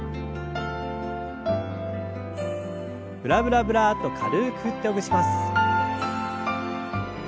ブラブラブラッと軽く振ってほぐします。